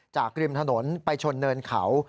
ริมถนนไปชนเนินเขา